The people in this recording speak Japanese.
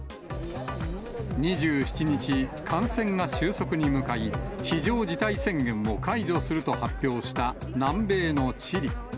２７日、感染が収束に向かい、非常事態宣言を解除すると発表した南米のチリ。